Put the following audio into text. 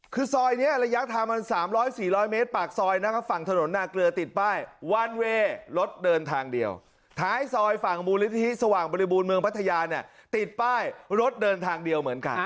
คือซอยเนี่ยระยะทางมัน๓๐๐๔๐๐เมตรปากซอยฝั่งถนนนาเกลือติดป้าย